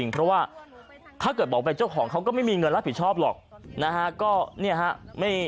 เพราะว่าถ้าเกิดบอกเป็นเจ้าของเขาก็ไม่มีเงินรับผิดชอบหรอกนะฮะ